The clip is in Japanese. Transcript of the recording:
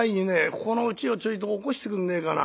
ここのうちをちょいと起こしてくんねえかな」。